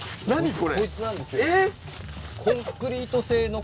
こいつなんですよ。